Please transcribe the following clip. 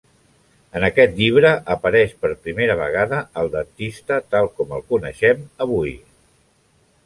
En aquest llibre apareix per primera vegada el dentista tal com el coneixem avui.